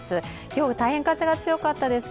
今日は大変風が強かったです